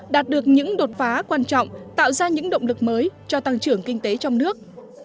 đạt được những đột phá quan trọng tạo ra những động lực mới cho tăng trưởng kinh tế trong nước